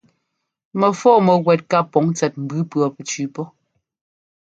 Mɛfɔ́ɔ mɛwɛ́t ká pɔŋ tsɛt mbʉʉ pʉɔpɛtsʉʉ pɔ́.